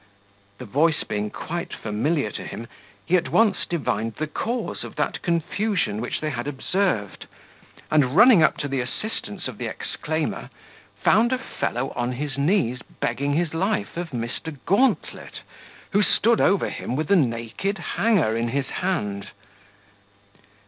The voice being quite familiar to him, he at once divined the cause of that confusion which they had observed; and running up to the assistance of the exclaimer, found a fellow on his knees begging his life of Mr. Gauntlet, who stood over him with a naked hanger in his hand.